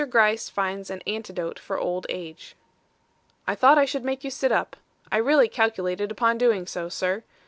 GRYCE FINDS AN ANTIDOTE FOR OLD AGE "I thought I should make you sit up. I really calculated upon doing so, sir.